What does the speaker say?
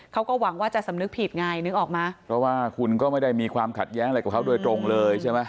เขาก็หวังว่าจะสำนึกผิดไงนึกออกไหมเพราะว่าคุณก็ไม่ได้มีความขัดแย้งอะไรกับเขาโดยตรงเลยใช่ไหม